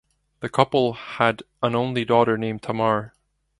The couple had an only daughter named Tamar.